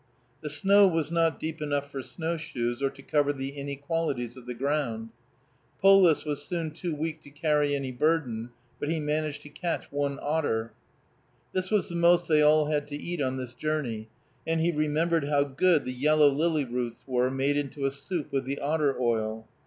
The snow was not deep enough for snowshoes, or to cover the inequalities of the ground. Polis was soon too weak to carry any burden; but he managed to catch one otter. This was the most they all had to eat on this journey, and he remembered how good the yellow lily roots were, made into a soup with the otter oil.